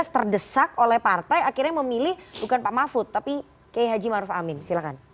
dua ribu sembilan belas terdesak oleh partai akhirnya memilih bukan pak mafud tapi k h maruf amin silakan